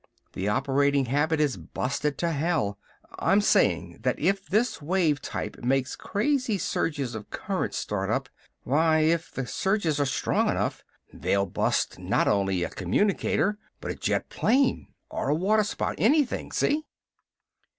The operating habit is busted to hell. I'm saying that if this wave type makes crazy surges of current start up why if the surges are strong enough they'll bust not only a communicator but a jet plane. Or a water spout. Anything! See?"